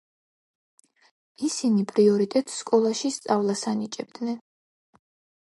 ისინი პრიორიტეტს სკოლაში სწავლას ანიჭებდნენ.